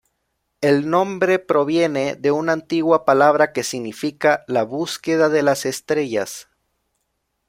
El nombre proviene de una antigua palabra que significa "la búsqueda de las estrellas".